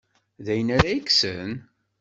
D ayen ara yekksen?